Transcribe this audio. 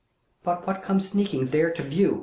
But what comes sneaking, there, to view?